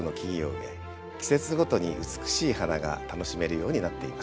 季節ごとに美しい花が楽しめるようになっています。